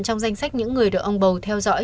trong danh sách những người được ông bầu theo dõi